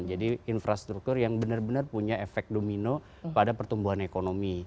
jadi infrastruktur yang benar benar punya efek domino pada pertumbuhan ekonomi